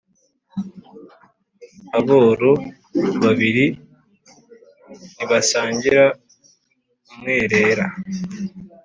Aboro babiri ntibasangira umwerera.